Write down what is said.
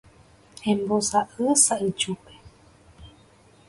Embosa'y sa'yjúpe.